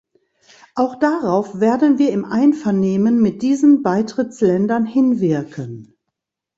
Auch darauf werden wir im Einvernehmen mit diesen Beitrittsländern hinwirken.